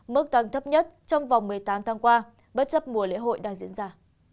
mức tăng thấp nhất trong vòng một mươi tám tháng qua bất chấp mùa lễ hội đang diễn ra